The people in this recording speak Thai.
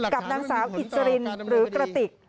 กับนางสาวอิสรินหรือกระติก